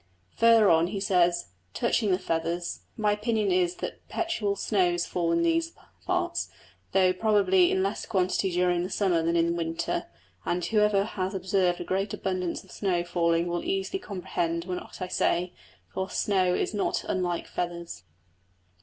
Further on he says: "Touching the feathers ... my opinion is that perpetual snows fall in those parts, though probably in less quantity during the summer than in winter, and whoever has observed great abundance of snow falling will easily comprehend what I say, for snow is not unlike feathers."